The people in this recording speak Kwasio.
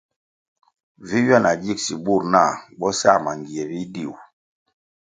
Vi ywia na gigsi bur nah bo sa mangie bidiu.